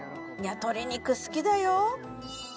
鶏肉好きだよ